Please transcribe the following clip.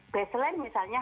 baseline misalnya harusnya